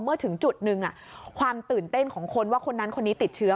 เมื่อถึงจุดหนึ่งความตื่นเต้นของคนว่าคนนั้นคนนี้ติดเชื้อ